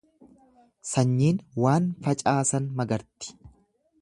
Sanyiin waan facaasan magarti.